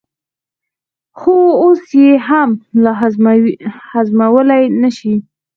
خو اوس یې هضمولای نه شي.